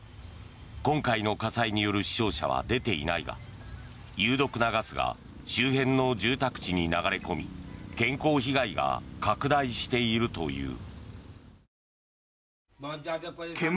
今回の火災による死傷者は出ていないが有毒なガスが周辺の住宅地に流れ込み健康被害が拡大しているという。